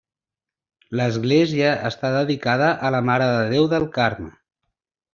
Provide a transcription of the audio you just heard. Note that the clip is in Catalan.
L'església està dedicada a la Mare de Déu del Carme.